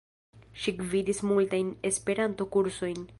Ŝi gvidis multajn Esperanto-kursojn.